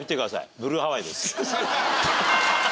ブルーハワイです。